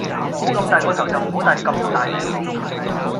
冇咁大個頭就唔好帶咁大頂帽啦